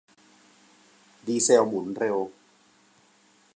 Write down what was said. ดีเซลหมุนเร็ว